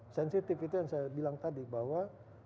sensitif itu yang saya bilang tadi bahwa